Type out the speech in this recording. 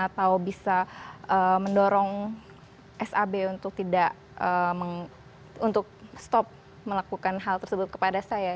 atau bisa mendorong sab untuk tidak untuk stop melakukan hal tersebut kepada saya